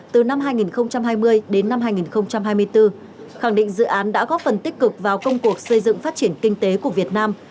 từ năm hai nghìn hai mươi đến năm hai nghìn hai mươi bốn khẳng định dự án đã góp phần tích cực vào công cuộc xây dựng phát triển kinh tế của việt nam